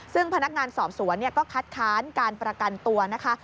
ซึ่งพนักงานสอบสวนก็คัดค้านการประกันตัวนะคะ